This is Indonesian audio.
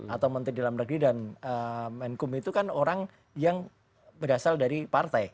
atau menteri dalam negeri dan menkum itu kan orang yang berasal dari partai